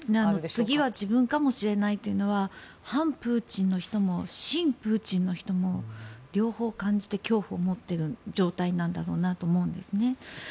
次は自分かもしれないというのは反プーチンの人も親プーチンの人も両方感じて恐怖を持っている状態なんだろうと思うんですね。